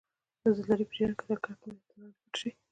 د زلزلې په جریان کې تر کلک میز لاندې پټ شئ.